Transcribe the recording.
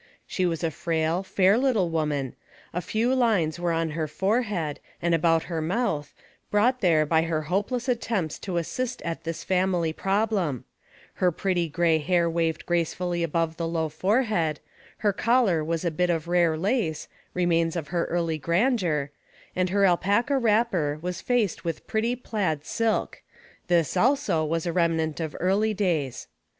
She was a frail, fair little woman ; a few lines were on her forehead and about her mouth, brought there by her hopeless attempts to ao^xot at the famiiy problem ; her pretty gray hair waved gracefully above the low forehead ; her collar was a bit of rare lace, remains of her early grandeur ; and her alpaca wrapper was faced with pretty plaid silk — this, also, was a remnant of early days.